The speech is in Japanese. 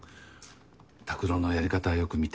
拓郎のやり方よく見て。